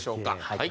はい。